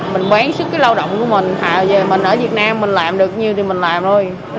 mình bán sức cái lao động của mình về mình ở việt nam mình làm được như thì mình làm thôi